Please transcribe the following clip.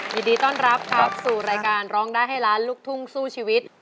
ยินดีต้อนรับครับสู่รายการร้องได้ให้ล้านลูกทุ่งสู้ชีวิต